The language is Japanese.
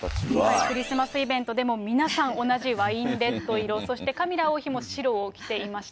クリスマスイベントでも、皆さん、同じワインレッド色、そしてカミラ王妃も白を着ていました。